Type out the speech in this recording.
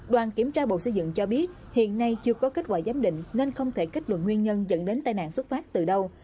đoàn kiểm tra bộ xây dựng cho biết hiện nay chưa có kết quả giám định nên không thể kết luận nguyên nhân dẫn đến tai nạn xuất phát từ đâu